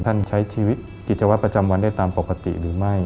ใช้ชีวิตกิจวัตรประจำวันได้ตามปกติหรือไม่